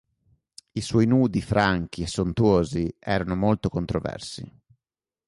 I suoi nudi franchi e sontuosi erano molto controversi.